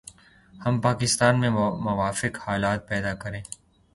ہم پاکستان میں موافق حالات پیدا کریں